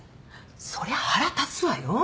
そりゃ腹立つわよ？